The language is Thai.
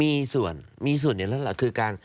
มีส่วนมีส่วนอย่างนั้นแหละ